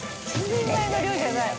１人前の量じゃない。